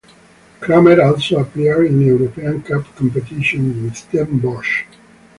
Cramer also appeared in European cup competitions with Den Bosch.